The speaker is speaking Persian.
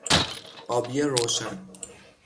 آبی روشن